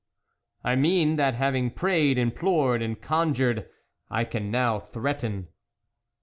" I mean that having prayed, implored, and conjured, I can now threaten."